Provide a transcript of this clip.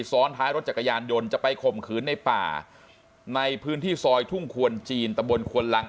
ซ้อนท้ายรถจักรยานยนต์จะไปข่มขืนในป่าในพื้นที่ซอยทุ่งควนจีนตะบนควนลัง